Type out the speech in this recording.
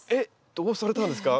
どうされたんですか？